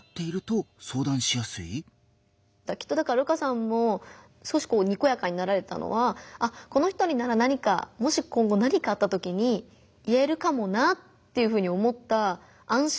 きっとだから瑠花さんも少しにこやかになられたのはこの人になら何かもし今後何かあったときに言えるかもなっていうふうに思った安心の笑顔だったと思うので。